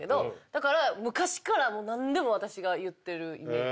だから昔から何でも私が言ってるイメージ。